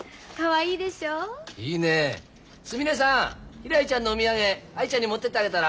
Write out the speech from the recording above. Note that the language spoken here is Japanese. ひらりちゃんのお土産藍ちゃんに持ってってあげたら？